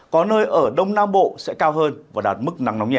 có nơi ở đông nam bộ sẽ cao hơn và đạt mức nắng nóng nhẹ